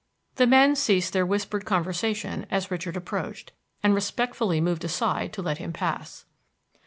The men ceased their whispered conversation as Richard approached, and respectfully moved aside to let him pass.